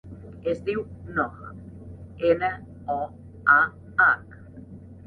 Es diu Noah: ena, o, a, hac.